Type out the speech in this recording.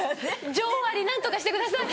女王アリ何とかしてください。